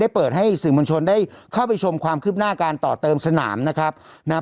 เปิดให้สื่อมวลชนได้เข้าไปชมความคืบหน้าการต่อเติมสนามนะครับนะครับ